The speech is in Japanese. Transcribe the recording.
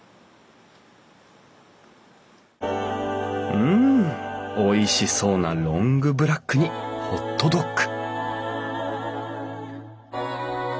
うんおいしそうなロングブラックにホットドッグ！